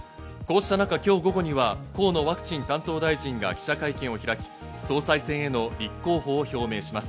こうした中、今日午後には河野ワクチン担当大臣が記者会見を開き、総裁選への立候補を表明します。